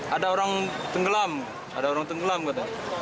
ada orang tenggelam ada orang tenggelam katanya